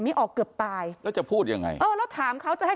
ไม่ออกเกือบตายแล้วจะพูดยังไงเออแล้วถามเขาจะให้